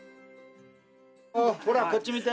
ほらこっち見て。